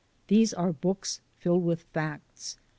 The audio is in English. These are books filled with facts.